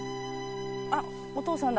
あっお父さんだ。